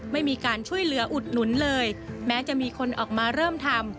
ไม่มีการช่วยเหลืออุดหนุนเลยแม้จะมีคนออกมาเริ่มทำ